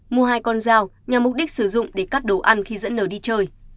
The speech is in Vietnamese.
mua hai con dao nhằm mục đích sử dụng để cắt đồ ăn khi dẫn nở đi chơi